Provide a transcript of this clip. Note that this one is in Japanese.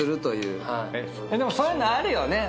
そういうのあるよね。